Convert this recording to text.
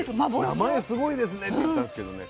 「名前すごいですね」って言ったんですけどね